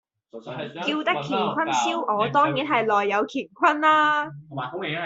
叫得乾坤燒鵝，當然係內有乾坤啦